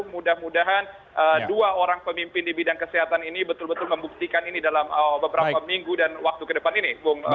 mudah mudahan dua orang pemimpin di bidang kesehatan ini betul betul membuktikan ini dalam beberapa minggu dan waktu ke depan ini